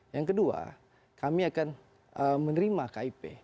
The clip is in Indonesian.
yang kedua kami akan menerima kip